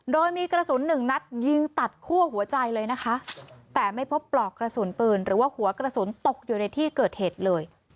โดยมีกระสุนหนึ่งนัดยิงตัดคั่วหัวใจเลยนะคะแต่ไม่พบปลอกกระสุนปืนหรือว่าหัวกระสุนตกอยู่ในที่เกิดเหตุเลย